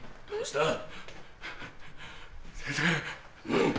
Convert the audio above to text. どうした？